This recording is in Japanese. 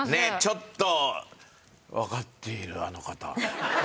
ちょっとわかっているあの方。